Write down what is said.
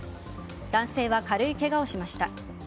男性は軽いけがをしました。